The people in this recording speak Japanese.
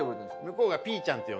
向こうが「ぴーちゃん」って。